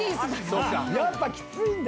やっぱきついんだ。